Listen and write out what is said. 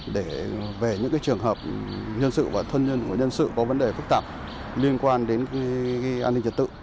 để về những trường hợp nhân sự và thân nhân của nhân sự có vấn đề phức tạp liên quan đến an ninh trật tự